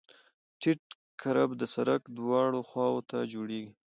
ټیټ کرب د سرک دواړو خواو ته جوړیږي